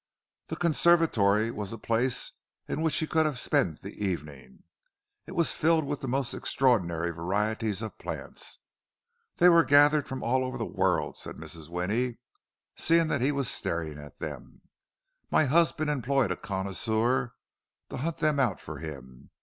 The conservatory was a place in which he could have spent the evening; it was filled with the most extraordinary varieties of plants. "They were gathered from all over the world," said Mrs. Winnie, seeing that he was staring at them. "My husband employed a connoisseur to hunt them out for him.